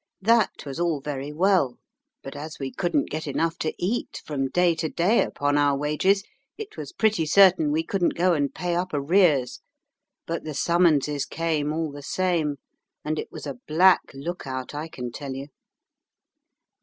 That was all very well, but as we couldn't get enough to eat from day to day upon our wages, it was pretty certain we couldn't go and pay up arrears. But the summonses came all the same, and it was a black look out, I can tell you.